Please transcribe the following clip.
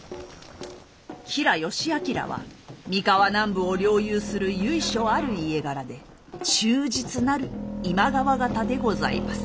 吉良義昭は三河南部を領有する由緒ある家柄で忠実なる今川方でございます。